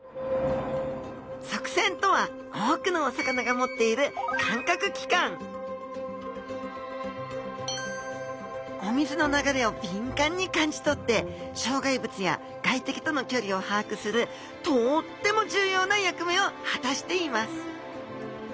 側線とは多くのお魚が持っている感覚器官お水の流れを敏感に感じとって障害物や外敵との距離を把握するとっても重要な役目を果たしています